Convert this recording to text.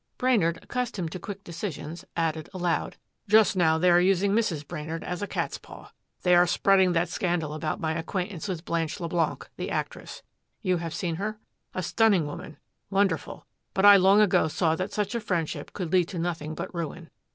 Brainard, accustomed to quick decisions, added aloud, "Just now they are using Mrs. Brainard as a catspaw. They are spreading that scandal about my acquaintance with Blanche Leblanc, the actress. You have seen her? A stunning woman wonderful. But I long ago saw that such a friendship could lead to nothing but ruin."